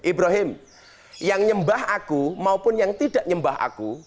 ibrahim yang nyembah aku maupun yang tidak nyembah aku